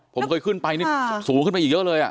ผมเคยขึ้นไปนี่สูงขึ้นไปอีกเยอะเลย